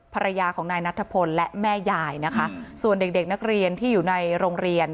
ภรรยาของนายนัทพลและแม่ยายนะคะส่วนเด็กเด็กนักเรียนที่อยู่ในโรงเรียน